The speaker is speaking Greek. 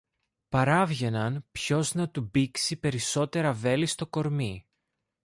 παράβγαιναν ποιος να του μπήξει περισσότερα βέλη στο κορμί.